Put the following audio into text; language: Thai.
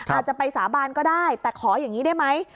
อาจจะไปสาบานก็ได้แต่ขออย่างนี้ได้ไหม